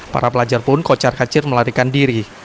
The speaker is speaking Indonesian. para pelajar pun kocar kacir melarikan diri